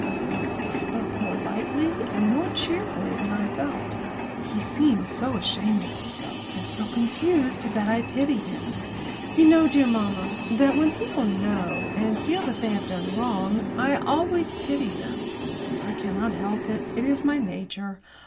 I spoke more lightly and more cheerfully than I felt. He seemed so ashamed of himself, and so confused, that I pitied him. You know, dear mamma, that when people know, and feel, that they have done wrong, I always pity them. I cannot help it. It is my nature.